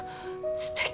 すてき。